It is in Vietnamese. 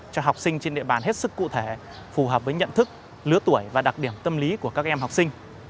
cho học sinh trên địa bàn hết sức cụ thể phù hợp với nhận thức lứa tuổi và đặc điểm tâm lý của các em học sinh